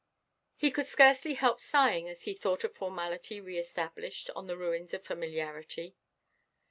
He could scarcely help sighing as he thought of formality re–established on the ruins of familiarity.